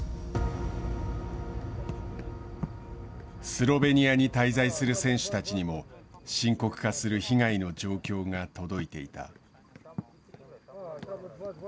スロベニアに滞在する選手たちにも深刻化する被害の状況が届いていた。